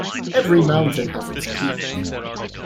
Every mountain has its peak.